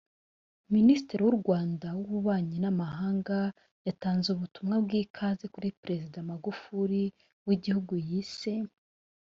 Minisitiri w’u Rwanda w’Ububanyi n’Amahanga yatanze ubutumwa bw’ikaze kuri Perezida Magufuli w’igihugu yise